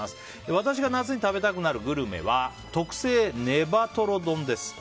私が夏に食べたくなるグルメは特製ネバトロ丼です。